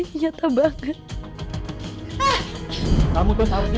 gak akan aku lepasin aku